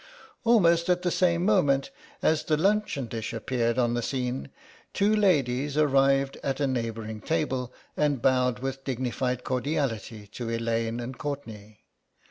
Almost at the same moment as the luncheon dish appeared on the scene, two ladies arrived at a neighbouring table, and bowed with dignified cordiality to Elaine and Courtenay.